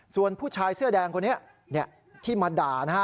ส่วนผู้ชายเสื้อแดงคนนี้ที่มาด่านะฮะ